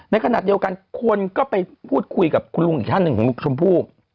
ในขณะเดียวกันคนก็ไปพูดคุยกับคุณลุงอีกท่านหนึ่งของลูกชมพู่